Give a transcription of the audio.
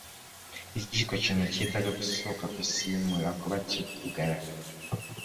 Ekijiiko kino kyetaaga kusooka kusiimuula kuba kiddugala.